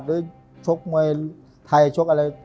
หรือชกมวยไทยชกอะไร